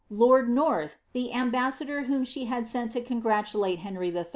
Lord North, the abaeeador whom she had sent to congratulate Henry IH.